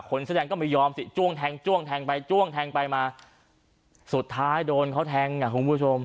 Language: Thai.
คนเสื้อแดงก็ไม่ยอมสิจ้วงแทงจ้วงแทงไปจ้วงแทงไปมาสุดท้ายโดนเขาแทงอ่ะคุณผู้ชม